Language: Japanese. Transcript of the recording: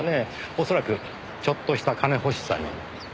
おそらくちょっとした金欲しさに。